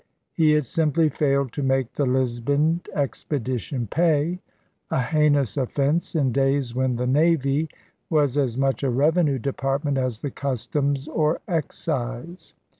He had simply failed to make the Lisbon Expedition pay — a heinous offence in days when the navy was as much a revenue department as the customs or excise.